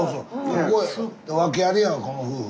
ここ訳ありやこの夫婦。